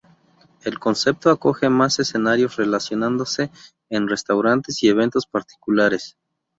El concepto acoge más escenarios, realizándose en restaurantes y eventos particulares.